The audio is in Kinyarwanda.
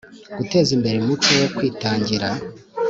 Guteza imbere umuco wo kwitangira